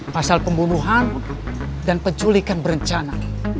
pasal pembunuhan dan penculikan berencana